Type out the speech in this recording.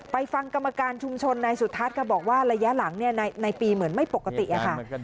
ฟังกรรมการชุมชนนายสุทัศน์ค่ะบอกว่าระยะหลังในปีเหมือนไม่ปกติค่ะ